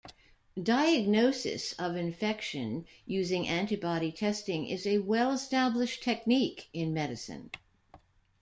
Diagnosis of infection using antibody testing is a well-established technique in medicine.